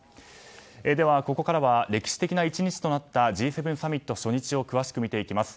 では、ここからは歴史的な１日となったＧ７サミット初日を詳しく見ていきます。